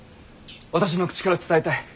私の口から伝えたい。